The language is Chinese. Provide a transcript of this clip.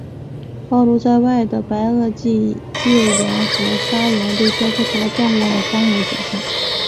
暴露在外的白垩纪页岩和砂岩被雕刻成了壮观的荒野景象。